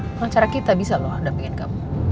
pengacara kita bisa loh dampingin kamu